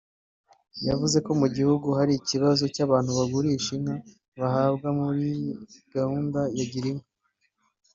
yavuze ko mu gihugu hari ikibazo cy’abantu bagurisha inka bahabwa muri gahunda ya Girinka